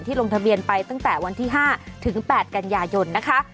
ลงทะเบียนไปตั้งแต่วันที่๕ถึง๘กันยายนนะคะ